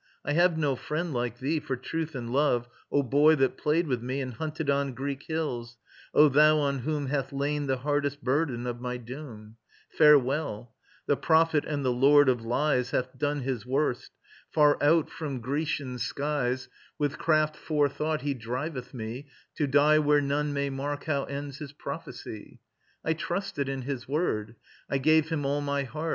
I have no friend like thee For truth and love, O boy that played with me, And hunted on Greek hills, O thou on whom Hath lain the hardest burden of my doom! Farewell. The Prophet and the Lord of Lies Hath done his worst. Far out from Grecian skies With craft forethought he driveth me, to die Where none may mark how ends his prophecy! I trusted in his word. I gave him all My heart.